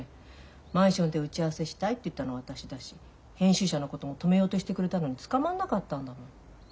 マンションで打ち合わせしたいって言ったのは私だし編集者のことも止めようとしてくれたのに捕まらなかったんだもの。